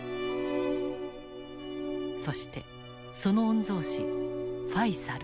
そしてその御曹司ファイサル。